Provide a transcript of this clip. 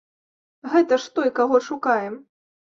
Гэта ж той, каго шукаем.